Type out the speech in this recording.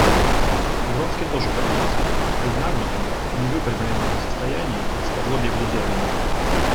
Вронский тоже поднялся и в нагнутом, невыпрямленном состоянии, исподлобья глядел на него.